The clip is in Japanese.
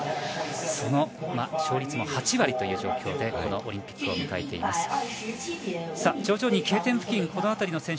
その勝率も８割という状況でこのオリンピックを迎えています。